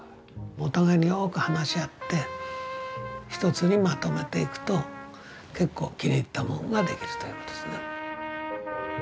お互いによく話し合って一つにまとめていくと結構気に入ったもんができるということですな。